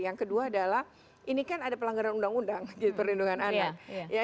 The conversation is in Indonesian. yang kedua adalah ini kan ada pelanggaran undang undang perlindungan anak